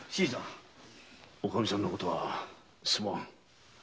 おかみさんのことはすまん。